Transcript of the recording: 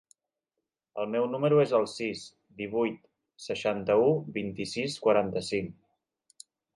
El meu número es el sis, divuit, seixanta-u, vint-i-sis, quaranta-cinc.